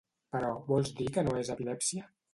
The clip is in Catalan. Però vols dir que no és epilèpsia?